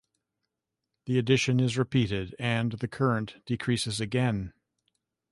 The addition is repeated, and the current decreases again.